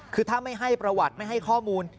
คือถ้าไม่ให้ประวัติไม่ให้ข้อมูล